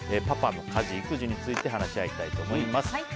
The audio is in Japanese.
パパの家事・育児について話し合いたいと思います。